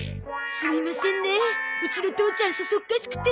すみませんねえうちの父ちゃんそそっかしくて。